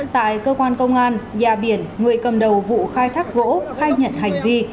tại cơ quan công an gia biển người cầm đầu vụ khai thác gỗ khai nhận hành vi